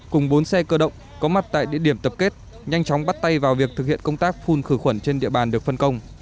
cùng bốn xe cơ động có mặt tại địa điểm tập kết nhanh chóng bắt tay vào việc thực hiện công tác phun khử khuẩn trên địa bàn được phân công